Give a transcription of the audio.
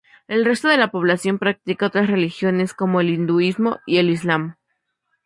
El resto de la población practica otras religiones, como el hinduismo y el islam.